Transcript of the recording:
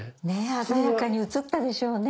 鮮やかに映ったでしょうね